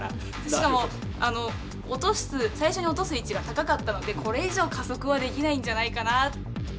しかも最初に落とす位置が高かったのでこれ以上加速はできないんじゃないかな。